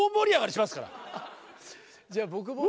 じゃあ僕も。